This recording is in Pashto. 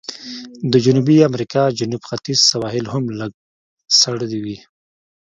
د جنوبي امریکا جنوب ختیځ سواحل هم سړ وي.